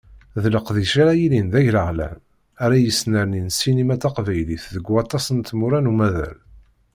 D leqdic ara yilin d agraɣlan, ara yesnernin ssinima taqbaylit deg waṭas n tmura n umaḍal.